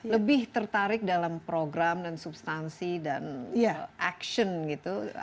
lebih tertarik dalam program dan substansi dan action gitu